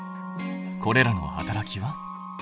これらの働きは？